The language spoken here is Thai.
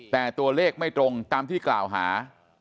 แต่ตัวเลขไม่ตรงตามที่กล่าวหา